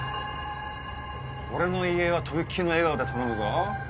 俺の遺影は飛び切りの笑顔で頼むぞ。